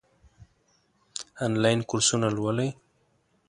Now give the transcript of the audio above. آنلاین کورسونه لولئ؟